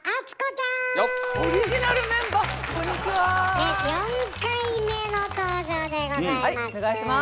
ねっ４回目の登場でございます。